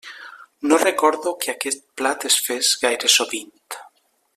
No recordo que aquest plat es fes gaire sovint.